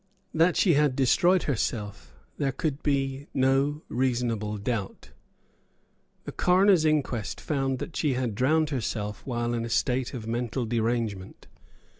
That she had destroyed herself there could be no reasonable doubt. The coroner's inquest found that she had drowned herself while in a state of mental derangement.